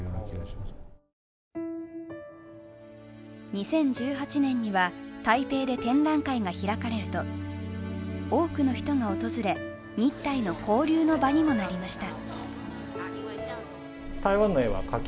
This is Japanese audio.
２０１８年には台北で展覧会が開かれると、多くの人が訪れ、日台の交流の場にもなりました。